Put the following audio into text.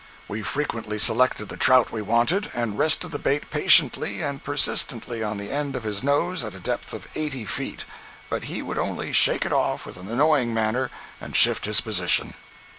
We frequently selected the trout we wanted, and rested the bait patiently and persistently on the end of his nose at a depth of eighty feet, but he would only shake it off with an annoyed manner, and shift his position.